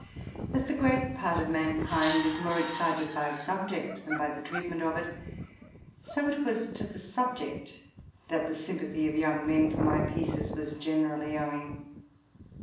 As the great part of mankind is more excited by a subject than by the treatment of it, so it was to the subject that the sym pathy of young men for my pieces was generally owing.